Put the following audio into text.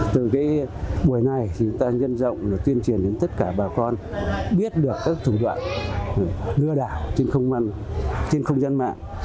từ buổi này chúng ta nhân rộng tuyên truyền đến tất cả bà con biết được các thủ đoạn lừa đảo trên không gian mạng